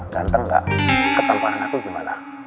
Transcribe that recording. ganteng gak ketemparan aku gimana